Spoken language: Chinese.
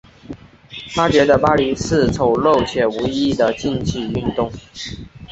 她觉得芭蕾是丑陋且无意义的竞技运动。